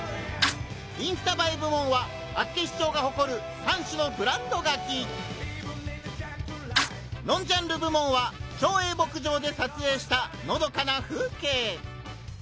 「インスタ映え部門」は厚岸町が誇る３種の「ブランドガキ」！「ノンジャンル部門」は町営牧場で撮影したのどかな風景！